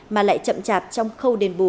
mà lại chậm chạp trong khâu đền bù